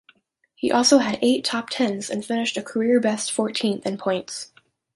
He also had eight top-tens and finished a career-best fourteenth in points.